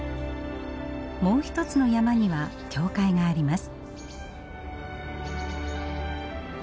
もう一つの山には教会があります。